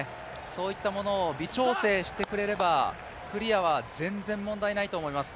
そういったものを微調整してくれればクリアは全然問題ないと思います。